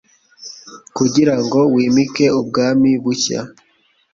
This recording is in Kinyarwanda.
kugira ngo wimike ubwami bushya.